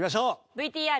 ＶＴＲ。